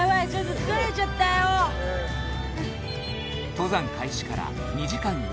登山開始から２時間４０分